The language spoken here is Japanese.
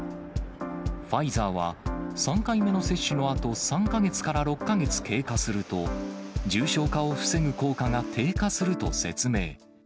ファイザーは、３回目の接種のあと、３か月から６か月経過すると、重症化を防ぐ効果が低下すると説明。